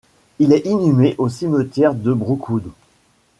Il est inhumé au Cimetière de Brookwood.